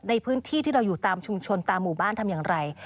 ในพื้นที่ที่เราอยู่ตามชุมชนตามหมู่บ้านทำอย่างไร